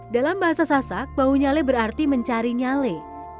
dalam bahasa sasak bau nyalai berarti mencari nyalai